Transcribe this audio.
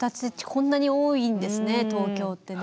こんなに多いんですね東京ってね。